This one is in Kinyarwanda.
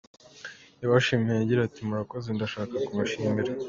Yabashimiye agira ati "Murakoze, ndashaka kubashimira.